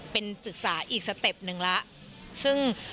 เป็นศึกษาอีกสเต็ปหนึ่งแล้วซึ่ง